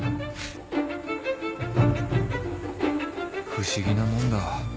不思議なもんだ